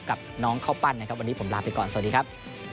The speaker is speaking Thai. กับน้องข้าวปั้นนะครับวันนี้ผมลาไปก่อนสวัสดีครับ